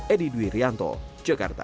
edi dwi rianto jakarta